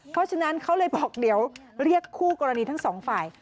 เพราะฉะนั้นเขาเลยบอกเดี๋ยวเรียกคู่กรณีทั้งสองฝ่าย